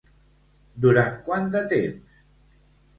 Durant quant de temps?